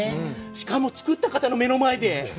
しかも作った方の目の前で！